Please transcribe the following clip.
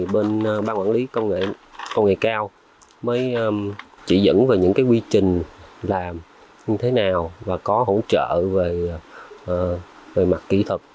bên ban quản lý công nghệ công nghệ cao mới chỉ dẫn về những quy trình làm như thế nào và có hỗ trợ về mặt kỹ thuật